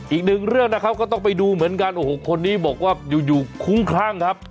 อีกหนึ่งเรื่องนะครับก็ต้องไปดูเหมือนกันโอ้โหคนนี้บอกว่าอยู่คุ้มคลั่งครับ